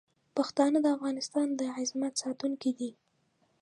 پښتانه د افغانستان د عظمت ساتونکي دي.